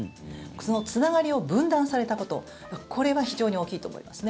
つながりを分断されたことこれが非常に大きいと思いますね。